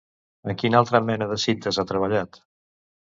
En quina altra mena de cintes ha treballat?